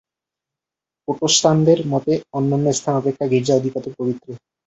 প্রোটেস্টাণ্টদের মতে অন্যান্য স্থান অপেক্ষা গির্জা অধিকতর পবিত্র।